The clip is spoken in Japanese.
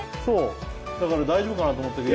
だから大丈夫かなと思ったけど。